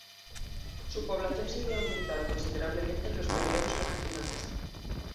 Su población se ve aumentada considerablemente en los periodos vacacionales.